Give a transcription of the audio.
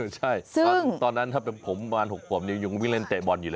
ใช่ตอนนั้นถ้าเป็นผมประมาณ๖ขวบนี้ยังวิ่งเล่นเตะบอลอยู่เลย